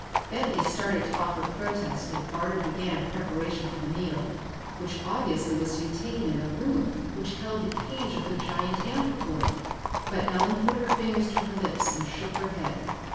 Bentley started to offer protest as Barter began preparation for the meal, which obviously was to be taken in the room which held the cage of the giant anthropoid, but Ellen put her fingers to her lips and shook her head.